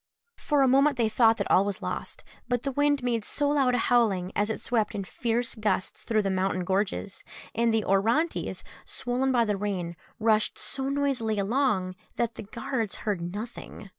For a moment they thought that all was lost; but the wind made so loud a howling as it swept in fierce gusts through the mountain gorges and the Orontes, swollen by the rain, rushed so noisily along that the guards heard nothing.